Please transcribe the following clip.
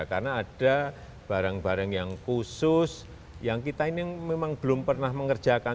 karena ada barang barang yang khusus yang kita ini memang belum pernah mengerjakan